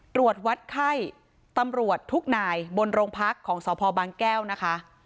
ตรวจวัดไข้ตำรวจทุกนายบนโรงพักของสพบางแก้วนะคะ